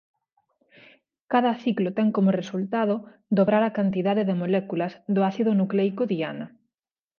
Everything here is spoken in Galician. Cada ciclo ten como resultado dobrar a cantidade de moléculas do ácido nucleico diana.